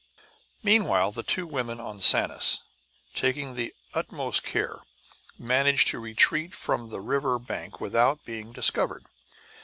Meanwhile the two women on Sanus, taking the utmost care, managed to retreat from the river bank without being discovered.